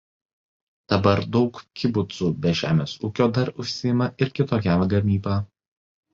Dabar daug kibucų be žemės ūkio dar užsiima ir kitokia gamyba.